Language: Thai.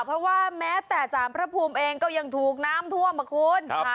เพราะว่าแม้แต่สารพระภูมิเองก็ยังถูกน้ำท่วมอ่ะคุณ